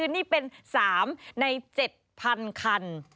นี่เป็น๓ใน๗๐๐คัน